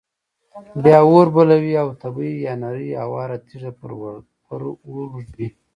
بیا اور بلوي او تبۍ یا نرۍ اواره تیږه پر اور ږدي.